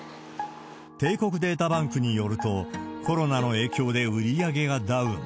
帝国データバンクによると、コロナの影響で売り上げがダウン。